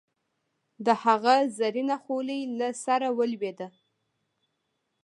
د هغه زرينه خولی له سره ولوېده.